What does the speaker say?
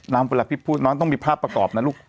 เวลาพี่พูดน้องต้องมีภาพประกอบนะลูก